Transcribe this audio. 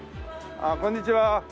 ああこんにちは。